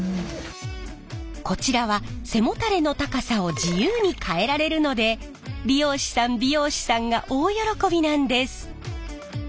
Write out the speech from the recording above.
こちらは背もたれの高さを自由に変えられるので理容師さん美容師さんが大喜びなんです。